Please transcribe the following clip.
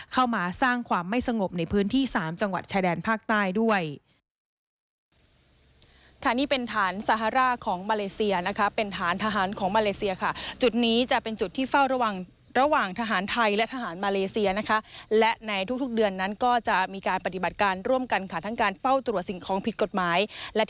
เข้ามาสร้างความไม่สงบในพื้นที่๓จังหวัดชายแดนภาคใต้ด้วย